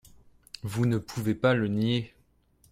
Vous ne pouvez pas le nier.